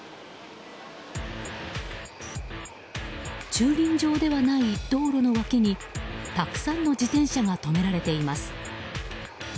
駐輪場ではない道路の脇にたくさんの自転車が止められています。